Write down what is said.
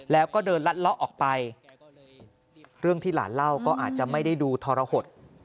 แล้วก็เดินลัดเลาะออกไปเรื่องที่หลานเล่าก็อาจจะไม่ได้ดูทรหด